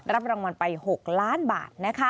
รับรางวัลไป๖ล้านบาท